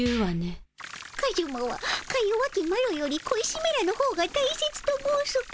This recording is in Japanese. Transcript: カジュマはかよわきマロより小石めらのほうがたいせつと申すか。